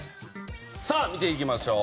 さあ見ていきましょう。